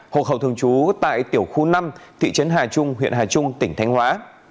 hộ khẩu thường trú tại tiểu khu năm thị trấn hà trung huyện hà trung tỉnh thanh hóa